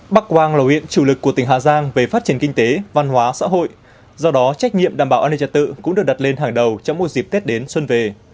bắc quang là huyện chủ lực của tỉnh hà giang về phát triển kinh tế văn hóa xã hội do đó trách nhiệm đảm bảo an ninh trật tự cũng được đặt lên hàng đầu trong một dịp tết đến xuân về